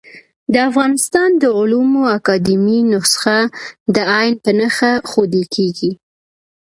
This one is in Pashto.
د افغانستان د علومو اکاډيمۍ نسخه د ع په نخښه ښوول کېږي.